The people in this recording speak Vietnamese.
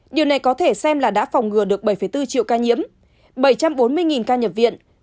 điều này có thể xem là đã phòng ngừa được bảy bốn triệu ca nhiễm bảy trăm bốn mươi ca nhập viện